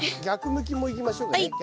逆向きもいきましょうかね。